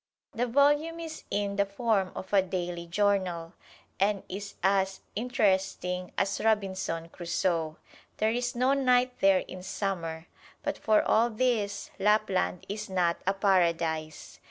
The volume is in the form of a daily journal, and is as interesting as "Robinson Crusoe." There is no night there in Summer; but for all this, Lapland is not a paradise.